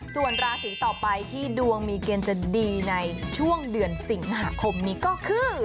ส่วนราศีต่อไปที่ดวงมีเกณฑ์จะดีในช่วงเดือนสิงหาคมนี้ก็คือ